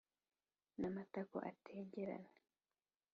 n'amatako atengerane.